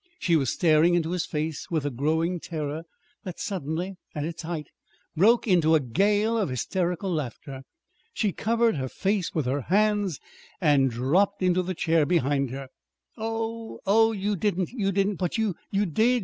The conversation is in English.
She was staring into his face with a growing terror that suddenly, at its height, broke into a gale of hysterical laughter. She covered her face with her hands and dropped into the chair behind her. "Oh, oh, you didn't you didn't but you did!"